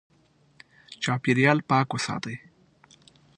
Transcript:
چاپېریال پاک وساتئ.